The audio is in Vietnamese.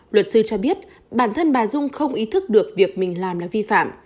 luật sư cho biết bản thân bà dung không ý thức được việc mình làm là vi phạm